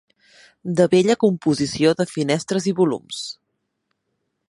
De bella composició de finestres i volums.